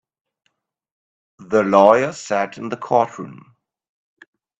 The lawyer sat in the courtroom.